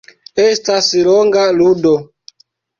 Estas longa ludo.